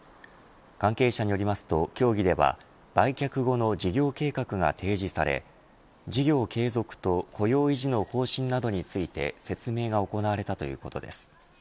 関係者によりますと、協議では売却後の事業計画が提示され事業継続と雇用維持の方針などについて説明が行われたということです。